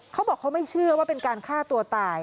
เขาบอกเขาไม่เชื่อว่าเป็นการฆ่าตัวตาย